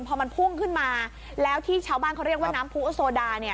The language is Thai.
พอมันพุ่งขึ้นมาแล้วที่ชาวบ้านเขาเรียกว่าน้ำผู้โซดาเนี่ย